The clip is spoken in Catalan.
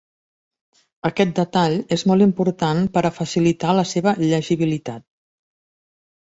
Aquest detall és molt important per a facilitar la seva llegibilitat.